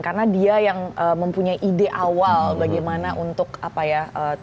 karena dia yang mempunyai ide awal bagaimana untuk apa ya